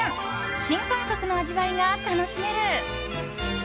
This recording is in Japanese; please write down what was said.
新感覚の味わいが楽しめる。